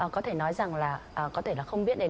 có thể nói rằng là có thể là không biết đến